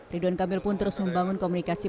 ridwan kamil pun terus membangun komunikasi